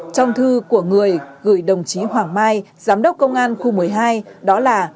trong thư của người gửi đồng chí hoàng mai giám đốc công an khu một mươi hai đó là